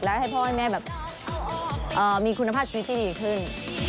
แล้วให้พ่อให้แม่แบบมีคุณภาพชีวิตที่ดีขึ้น